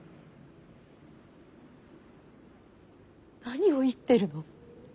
何を言ってるの。